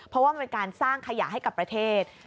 เพราะว่ามันเป็นการสร้างขยะให้กับประเทศ